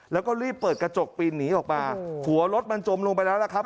แล้วก็รีบเปิดกระจกปีนหนีออกมาหัวรถมันจมลงไปแล้วล่ะครับ